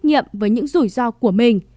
hồng kông có trách nhiệm với những rủi ro của mình